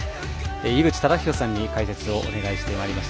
井口資仁さんに解説をお願いしてまいりました。